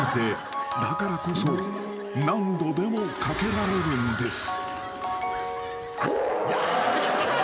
［だからこそ何度でもかけられるんです］